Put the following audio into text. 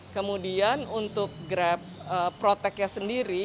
kemudian untuk grab proteknya sendiri